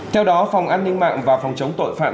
theo đó phòng an ninh mạng và phòng chống tội phạm